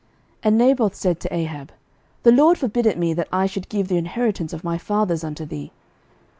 11:021:003 And Naboth said to Ahab, The LORD forbid it me, that I should give the inheritance of my fathers unto thee.